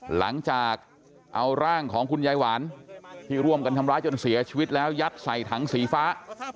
หลังจากเอาร่างของคุณยายหวานที่ร่วมกันทำร้ายจนเสียชีวิตแล้วยัดใส่ถังสีฟ้า